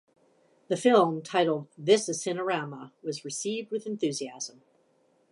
The film, titled "This is Cinerama," was received with enthusiasm.